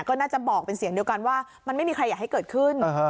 ก็น่าจะบอกเป็นเสียงเดียวกันว่ามันไม่มีใครอยากให้เกิดขึ้น